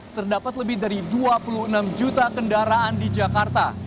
terdapat lebih dari dua puluh enam juta kendaraan di jakarta